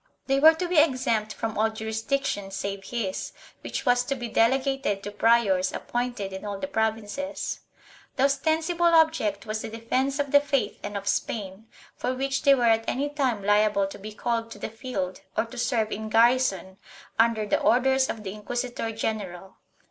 They were to be exempt from all jurisdiction save his, which was to be delegated to priors ap pointed in all the provinces. The ostensible object was the defence of the faith and of Spain, for which they were at any time liable to be called to the field, or to serve in garrison, under the orders of the inquisitor general.